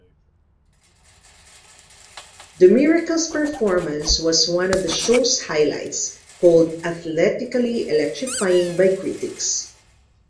The Miracles' performance was one of the show's highlights, called "athletically electrifying" by critics.